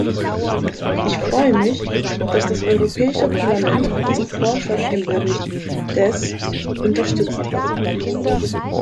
Ich freue mich, dass das Europäische Parlament diesen Vorschlag im Bericht Deß unterstützt hat.